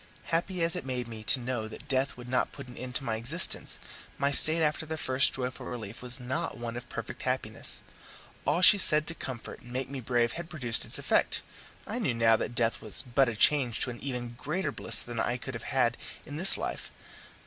Happy as it made me to know that death would not put an end to my existence, my state after the first joyful relief was not one of perfect happiness. All she said to comfort and make me brave had produced its effect I knew now that death was but a change to an even greater bliss than I could have in this life.